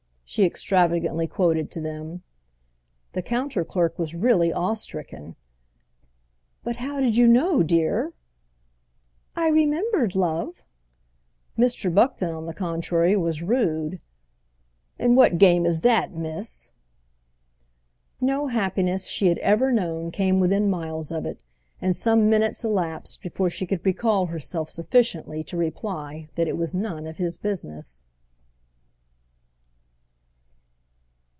'" she extravagantly quoted to them. The counter clerk was really awe stricken. "But how did you know, dear?" "I remembered, love!" Mr. Buckton, on the contrary, was rude. "And what game is that, miss?" No happiness she had ever known came within miles of it, and some minutes elapsed before she could recall herself sufficiently to reply that it was none of his business.